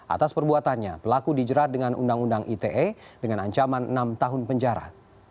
atas perbuatannya pelaku dijerat dengan undang undang ite dengan ancaman enam tahun penjara